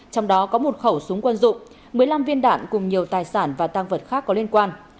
trong đó có một khẩu súng quân dụng một mươi năm viên đạn cùng nhiều tài sản và tăng vật khác có liên quan